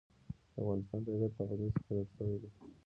د افغانستان طبیعت له غزني څخه جوړ شوی دی.